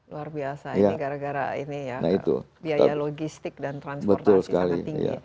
luar biasa ini gara gara ini ya biaya logistik dan transportasi sangat tinggi